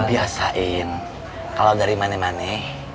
lu biasain kalau dari mani mani